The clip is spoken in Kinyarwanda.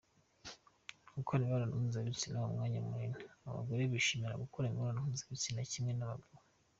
Gukora imibonano mpuzabitsina umwanya munini: Abagore bishimira gukora imibonano mpuzabitsina kimwe n’abagabo.